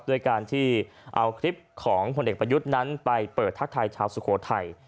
ด้วยการที่เอาคลิปของผลเอกประยุทธ์นั้นไปเปิดทักทายชาวสุโขทัย